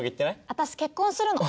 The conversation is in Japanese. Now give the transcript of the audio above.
私結婚するの。